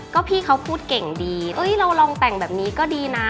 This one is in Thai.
ก็พี่เขาพูดเก่งดีเราลองแต่งแบบนี้ก็ดีนะ